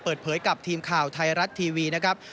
เปิดเผยกับทีมข่าวไทยรัฐทีวีนะครับ